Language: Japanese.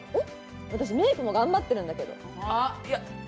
私、メイク頑張ってるんだけど。